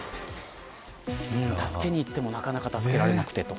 助けにいってもなかなか助けられなくてと。